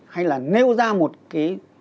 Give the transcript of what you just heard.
hay là nêu ra một cái